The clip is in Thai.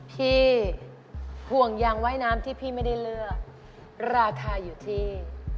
ห่วงยางว่ายน้ำที่พี่ไม่ได้เลือกราคาอยู่ที่